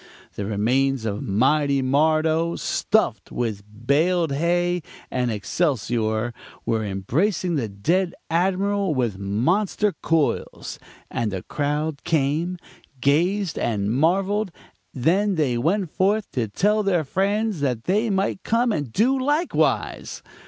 The remains of Mighty Mardo, stuffed with baled hay and excelsior, were embracing the dead Admiral with monster coils; and the crowds came, gazed, and marveled; then they went forth to tell their friends that they might come and do likewise.